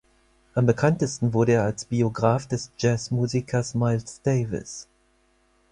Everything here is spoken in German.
Am bekanntesten wurde er als Biograph des Jazzmusikers Miles Davis.